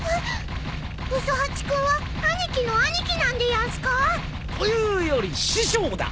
ウソ八君は兄貴の兄貴なんでやんすか？というより師匠だ！